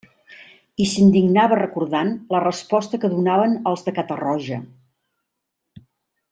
I s'indignava recordant la resposta que donaven els de Catarroja.